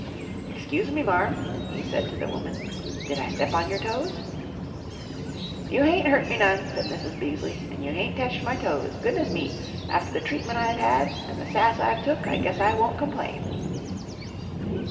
"Excuse me, Marm," he said to the woman. "Did I step on your toes?" "You hain't hurt me none," said Mrs. Beaseley, "and you hain't teched my toes. Goodness me, after the treatment I've had, an' th' sass I've took, I guess I won't complain."